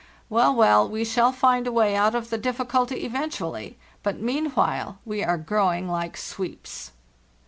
Well, well; we shall find a way out of the difficulty eventually, but meanwhile we are growing like sweeps.